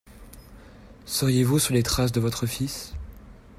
Seriez-vous sur les traces de votre fils ?